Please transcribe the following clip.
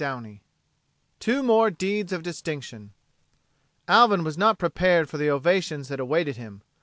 VII Two More Deeds of Distinction Alvin was not prepared for the ovations that awaited him.